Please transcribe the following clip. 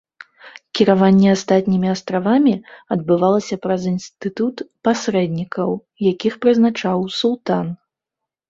Кіраванне астатнімі астравамі адбывалася праз інстытут пасрэднікаў, якіх прызначаў султан.